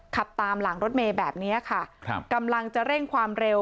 ขับตามหลังรถเมย์แบบนี้ค่ะครับกำลังจะเร่งความเร็ว